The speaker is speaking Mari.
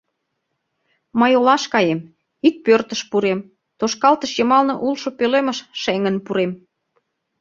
Мый олаш каем, ик пӧртыш пурем, тошкалтыш йымалне улшо пӧлемыш шеҥын пурем...